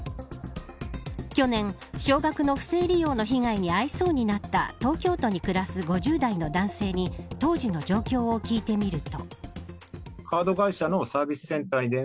去年、少額の不正利用の被害に遭いそうになった東京都に暮らす５０代の男性に当時の状況を聞いてみると。